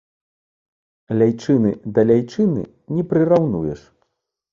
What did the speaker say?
Ляйчыны да ляйчыны не прыраўнуеш.